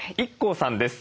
ＩＫＫＯさんです。